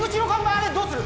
あれどうする？